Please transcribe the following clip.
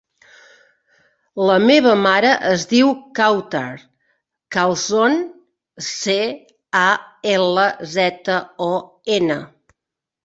La meva mare es diu Kawtar Calzon: ce, a, ela, zeta, o, ena.